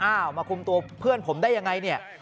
อ้าวมาคุมตัวเพื่อนผมได้อย่างไรเนี่ย